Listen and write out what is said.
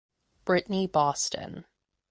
Brittney Boston.